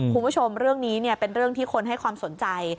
คุณผู้ชมเรื่องนี้เป็นเรื่องที่คนให้ความสนใจ